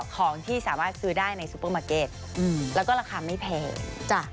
ของที่สามารถซื้อได้ในซูเปอร์มาร์เก็ตแล้วก็ราคาไม่แพงจ้ะ